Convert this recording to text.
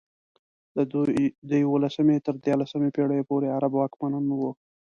د یولسمې تر دیارلسمې پېړیو پورې عرب واکمن وو.